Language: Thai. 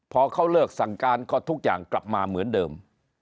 พอเขาเลิกสั่งการก็ทุกอย่างกลับมาเหมือนเดิม